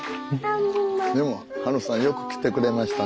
でもハルさんよく来てくれましたね。